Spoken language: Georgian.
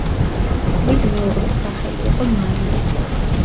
მისი მეუღლის სახელი იყო მარია.